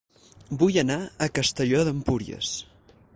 Vull anar a Castelló d'Empúries